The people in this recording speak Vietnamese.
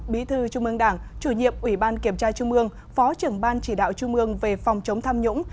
bí thư trung mương đảng chủ nhiệm ủy ban kiểm tra trung mương phó trưởng ban chỉ đạo trung mương về phòng chống tham nhũng